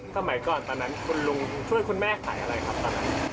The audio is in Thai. สมัยก่อนตอนนั้นคุณลุงช่วยคุณแม่ขายอะไรครับตอนนั้น